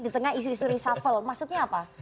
di tengah istri istri safel maksudnya apa